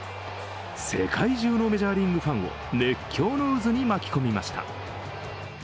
世界中のメジャーリーグファンを熱狂の渦に巻き込みました。